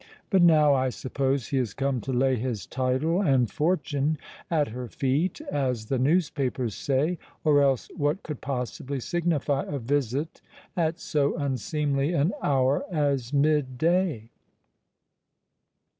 But now I suppose he has come to lay his title and fortune at her feet, as the newspapers say: or else what could possibly signify a visit at so unseemly an hour as mid day?"